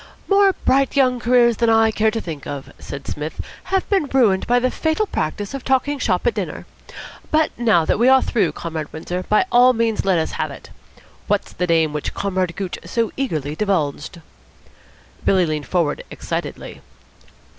"More bright young careers than I care to think of," said Psmith, "have been ruined by the fatal practice of talking shop at dinner. But now that we are through, Comrade Windsor, by all means let us have it. What's the name which Comrade Gooch so eagerly divulged?" Billy leaned forward excitedly.